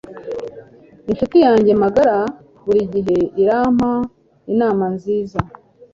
Inshuti yanjye magara burigihe irampa inama nziza.